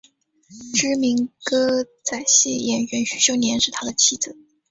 知名歌仔戏演员许秀年是他的妻子。